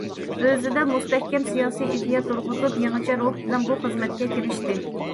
ئۆزىدە مۇستەھكەم سىياسىي ئىدىيە تۇرغۇزۇپ، يېڭىچە روھ بىلەن بۇ خىزمەتكە كىرىشتى.